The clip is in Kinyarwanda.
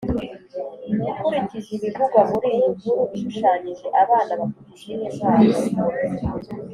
Ukurikije ibivugwa muri iyi nkuru ishushanyije abana bafite izihe mpano?